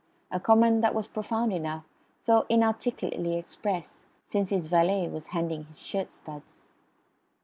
a comment that was profound enough, though inarticulately expressed, since his valet was handing his shirt studs.